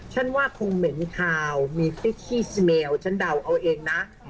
ฉันว่าคงเหม็นขาวมีฉันเดาเอาเองนะ